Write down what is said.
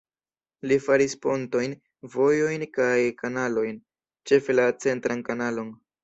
Li faris pontojn, vojojn kaj kanalojn, ĉefe la centran kanalon.